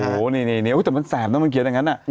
โอ้โหนี่แต่มันแสบนะมันเขียนอย่างนั้น